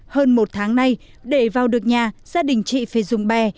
hơn một tháng nay để vào được nhà gia đình chị phải dùng bè